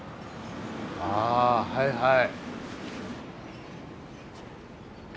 あはいはい。